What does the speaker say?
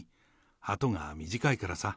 あとが短いからさ。